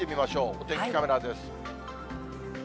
お天気カメラです。